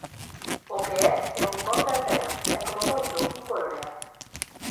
O que é é un corta e pega e, como moito, un colorea.